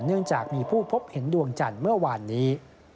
เนื่องจากมีผู้พบเห็นดวงจันทร์เมื่อวานนี้